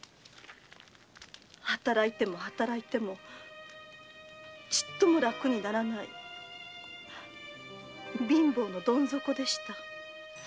働いても働いてもちっとも楽にならない貧乏のドン底でした。